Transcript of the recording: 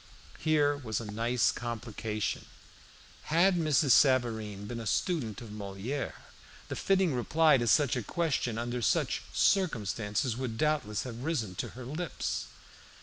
Here was a nice complication. Had Mrs. Savareen been a student of Moliere, the fitting reply to such a question under such circumstances would doubtless have risen to her lips.